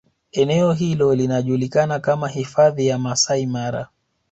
Eneeo hilo linajulikana kama Hifadhi ya Masaimara